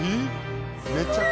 えっ？